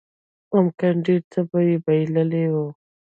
ممکن ډېر څه به يې بايللي وو.